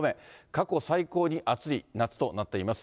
過去最高に暑い夏となっています。